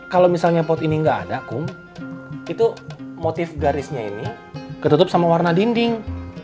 kalau misalnya pot ini nggak ada kum itu motif garisnya ini ketutup sama warna dinding